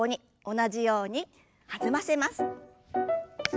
同じように弾ませます。